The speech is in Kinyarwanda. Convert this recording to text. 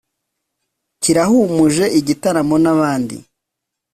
kirahumuje igitaramo n'abandi